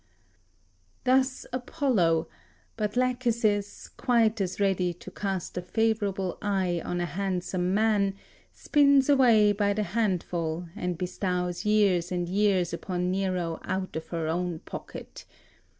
Thus Apollo. But Lachesis, quite as ready to cast a favourable eye on a handsome man, spins away by the handful, and bestows years and years upon Nero out of her own pocket.